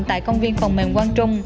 tại công viên phòng mềm quang trung